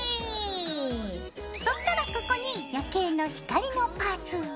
そしたらここに夜景の光のパーツ。